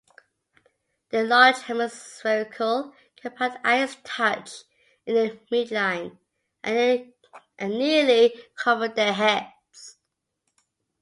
Their large hemispherical compound eyes touch in the midline and nearly cover their heads.